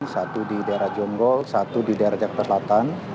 satu di daerah jonggol satu di daerah jakarta selatan